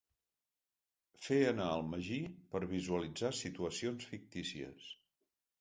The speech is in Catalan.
Fer anar el magí per visualitzar situacions fictícies.